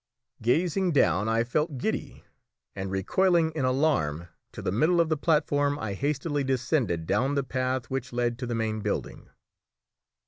Gazing down I felt giddy, and recoiling in alarm to the middle of the platform, I hastily descended down the path which led to the main building.